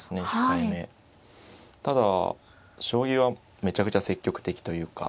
ただ将棋はめちゃくちゃ積極的というか。